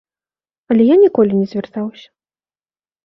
Але я ніколі не звяртаўся.